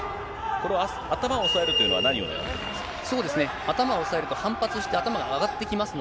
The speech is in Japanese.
これは頭を押さえるというのは何をねらってますか。